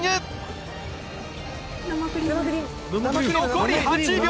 残り８秒！